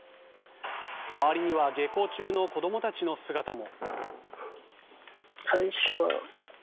周りには下校中の子どもたちの姿も。